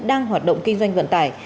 đang hoạt động kinh doanh vận tài